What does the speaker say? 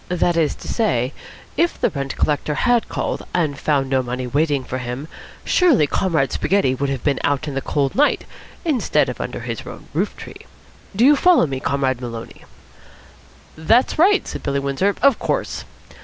That is to say, if the rent collector had called and found no money waiting for him, surely Comrade Spaghetti would have been out in the cold night instead of under his own roof tree. Do you follow me, Comrade Maloney?" "That's right," said Billy Windsor. "Of course."